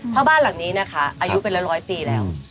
พระบ้านเหล่างนี้นะคะอายุเป็นละ๑๐๐ปีแล้วค่ะ